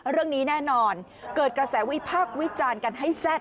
เรื่องนี้แน่นอนเกิดกระแสวิพากษ์วิจารณ์กันให้แซ่บ